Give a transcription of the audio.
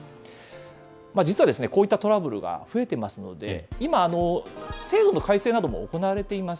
実は、こういったトラブルが増えていますので、今、制度の改正なども行われています。